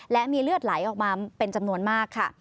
และมีเลือดไหลออกมาเป็นจำนวนมากค่ะ